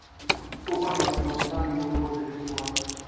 غوښې د افغانستان یو ډول طبعي ثروت دی.